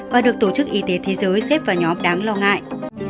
và được tổ chức y tế thế giới xếp vào nhóm đáng lo ngại